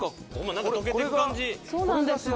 何か溶けてく感じそうなんですよ